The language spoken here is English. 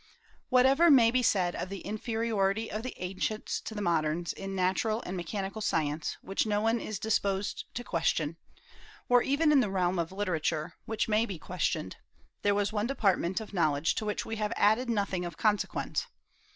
Whatever may be said of the inferiority of the ancients to the moderns in natural and mechanical science, which no one is disposed to question, or even in the realm of literature, which may be questioned, there was one department of knowledge to which we have added nothing of consequence.